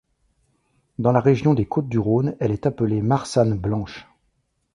Dans la région des Côtes du Rhône elle est appelée marsanne blanche.